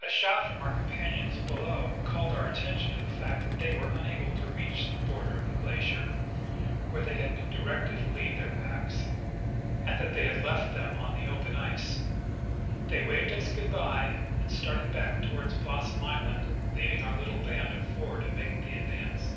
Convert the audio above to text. A shout from our companions beloAV called our attention to the fact that they were unable to reach the border of the glacier, where they had been directed to leave their packs, and that they 124 I. C. Russell — Expedition to Mount St. Elias. had left them on the open ice. They waveclus '" good bye " and started back toward Blossom island, leaving our little band of four to make the advance.